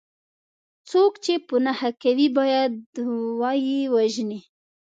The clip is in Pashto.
څوک چې په نښه کوي باید وه یې وژني.